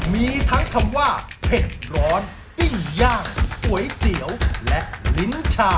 มีทั้งคำว่าเผ็ดร้อนปิ้งย่างก๋วยเตี๋ยวและลิ้นชา